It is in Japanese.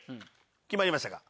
決まりましたか？